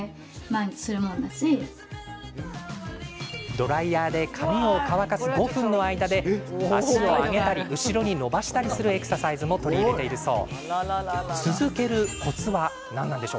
ドライヤーで髪を乾かす５分の間で、足を上げたり後ろに伸ばしたりするエクササイズも取り入れているそう。